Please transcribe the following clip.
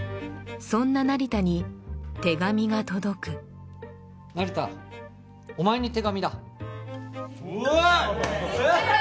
そんな成田に手紙が届く成田お前に手紙だおい